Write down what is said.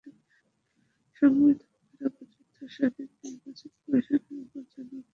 সংবিধান দ্বারা গঠিত স্বাধীন নির্বাচন কমিশনের ওপরে জনগণের আস্থা থাকার কথা বেশি।